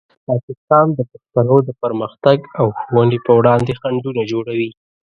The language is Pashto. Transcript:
پاکستان د پښتنو د پرمختګ او ښوونې په وړاندې خنډونه جوړوي.